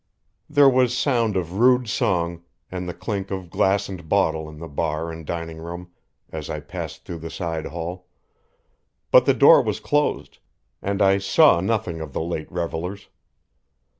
There was sound of rude song, and the clink of glass and bottle in the bar and dining room, as I passed through the side hall. But the door was closed, and I saw nothing of the late revelers.